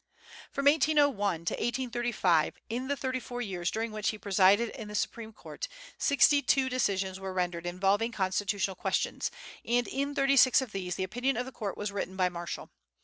From 1801 to 1835, in the thirty four years during which he presided in the Supreme Court, sixty two decisions were rendered involving constitutional questions, and in thirty six of these the opinion of the court was written by Marshall.